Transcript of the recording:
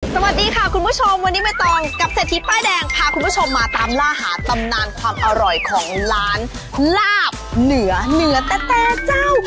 สวัสดีค่ะคุณผู้ชมวันนี้ใบตองกับเศรษฐีป้ายแดงพาคุณผู้ชมมาตามล่าหาตำนานความอร่อยของร้านลาบเหนือเหนือแต่เจ้า